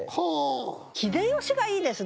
「秀吉」がいいですね。